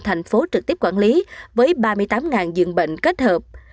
thành phố trực tiếp quản lý với ba mươi tám dường bệnh kết hợp